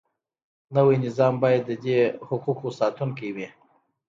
نوی نظام باید د دې حقوقو ساتونکی وي.